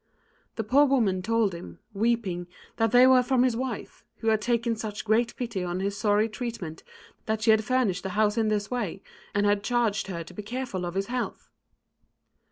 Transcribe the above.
The poor woman told him, weeping, that they were from his wife, who had taken such great pity on his sorry treatment that she had furnished the house in this way, and had charged her to be careful of his health.